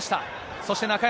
そして、中山。